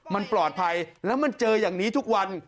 มันปลอดภัยแล้วมันเจออย่างนี้ทุกวัน